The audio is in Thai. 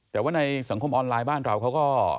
แต่ว่าในสังคมออนไลน์บ้านเราเขาก็